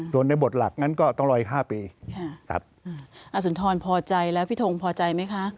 ส่วนในบทหลักก็ต้องเริ่มรออีกห้าปี